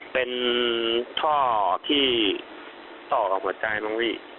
เป็นท่อที่ต่อกับหัวใจมั้งพี่